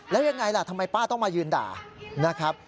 แล้วยังไงล่ะทำไมป้าต้องมายืนด่านะครับ